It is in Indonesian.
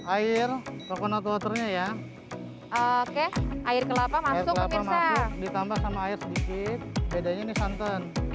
air banget lumturnya ya oke air kelapa masuk di thambak sama air sedikit bedanya nih santan